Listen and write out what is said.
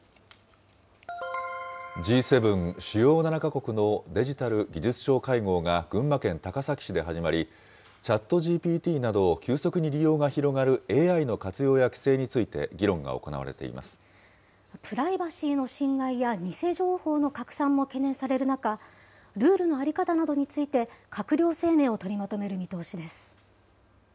Ｇ７・主要７か国のデジタル技術相会合が群馬県高崎市で始まり、ＣｈａｔＧＰＴなど、急速に利用が広がるＡＩの活用や規制にプライバシーの侵害や偽情報の拡散も懸念される中、ルールの在り方などについて、閣僚声明を取りまとめる見通しです。